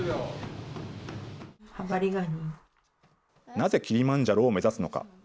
なぜキリマンジャロを目指すのか。